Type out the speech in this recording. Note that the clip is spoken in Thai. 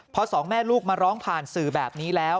พอสองแม่ลูกมาร้องผ่านสื่อแบบนี้แล้ว